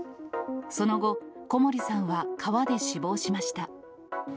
その後、小森さんは川で死亡しました。